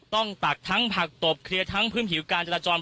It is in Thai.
ตักทั้งผักตบเคลียร์ทั้งพื้นผิวการจราจร